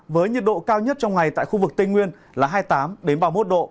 với nhiệt độ cao nhất trong ngày tại khu vực tây nguyên là hai mươi tám ba mươi một độ